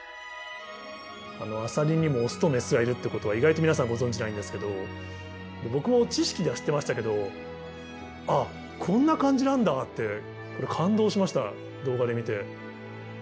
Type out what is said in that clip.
あのアサリにもオスとメスがいるってことは意外と皆さんご存じないんですけど僕も知識では知ってましたけど「ああこんな感じなんだ」ってこれ感動しました動画で見て。